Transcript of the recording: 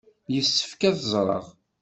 Yessefk ad t-ẓreɣ.